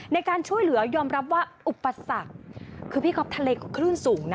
ในการช่วยเหลือยอมรับว่าอุปสรรคคือพี่ก๊อฟทะเลก็คลื่นสูงนะ